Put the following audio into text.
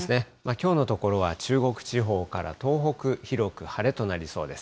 きょうのところは中国地方から東北、広く晴れとなりそうです。